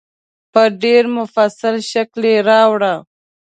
په ډېر مفصل شکل یې راوړه.